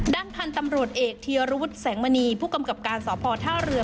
ด้านพันธุ์ตำรวจเอกเทียรวุฒิแสงมณีผู้กำกับการสพท่าเรือ